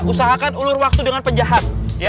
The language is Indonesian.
usahakan ulur waktu dengan penjahat